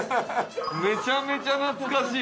めちゃめちゃ懐かしい。